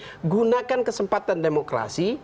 menggunakan kesempatan demokrasi